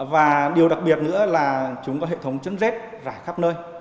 và điều đặc biệt nữa là chúng có hệ thống chân rết rải khắp nơi